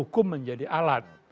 hukum menjadi alat